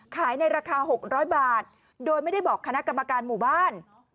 ในราคา๖๐๐บาทโดยไม่ได้บอกคณะกรรมการหมู่บ้าน